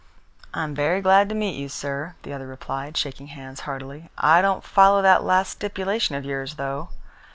"I am very glad to meet you, sir," the other replied, shaking hands heartily. "I don't follow that last stipulation of yours, though."